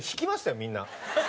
みんな。